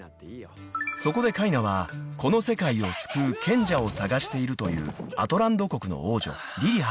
［そこでカイナはこの世界を救う賢者を探しているというアトランド国の王女リリハと出会います］